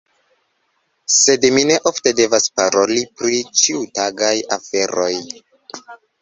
Sed mi ne ofte devas paroli pri ĉiutagaj aferoj.